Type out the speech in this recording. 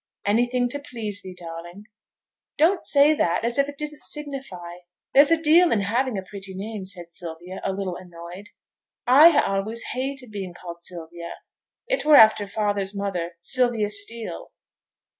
'Anything to please thee, darling.' 'Don't say that as if it didn't signify; there's a deal in having a pretty name,' said Sylvia, a little annoyed. 'I ha' allays hated being called Sylvia. It were after father's mother, Sylvia Steele.'